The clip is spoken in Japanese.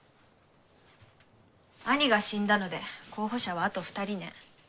兄が死んだので候補者はあと２人ね。